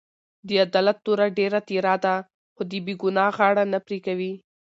د عدالت توره ډېره تېره ده؛ خو د بې ګناه غاړه نه پرې کوي.